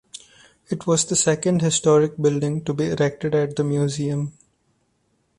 It was the second historic building to be erected at the museum.